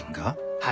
はい。